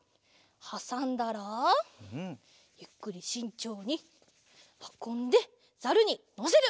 はさんだらゆっくりしんちょうにはこんでザルにのせる。